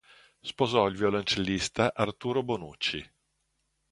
Sposò il violoncellista Arturo Bonucci.